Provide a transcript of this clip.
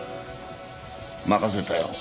任せたよ。